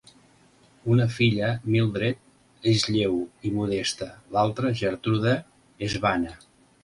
Una filla, Mildred, és lleu i modesta; l'altre, Gertrude, és vana.